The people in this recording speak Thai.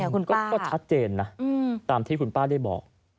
คุณก็ชัดเจนนะตามที่คุณป้าได้บอก